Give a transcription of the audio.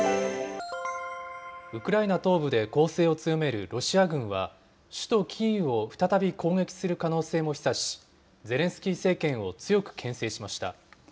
ウクライナ東部で攻勢を強めるロシア軍は、首都キーウを再び攻撃する可能性も示唆し、ゼレンスキー政権を強くけん制しました。